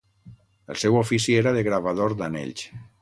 El seu ofici era de gravador d'anells.